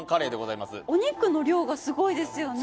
お肉の量がすごいですよね。